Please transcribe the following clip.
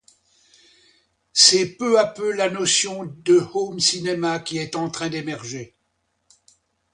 C'est peu à peu la notion de home cinema qui est en train d'émerger.